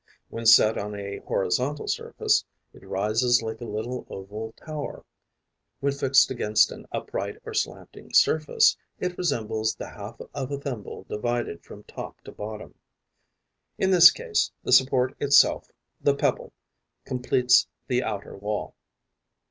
When set on a horizontal surface, it rises like a little oval tower; when fixed against an upright or slanting surface, it resembles the half of a thimble divided from top to bottom. In this case, the support itself, the pebble, completes the outer wall.